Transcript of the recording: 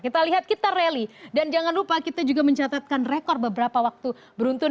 kita lihat kita rally dan jangan lupa kita juga mencatatkan rekor beberapa waktu beruntun